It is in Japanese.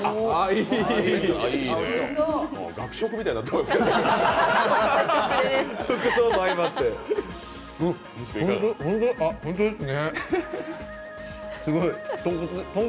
学食みたいになってますやん。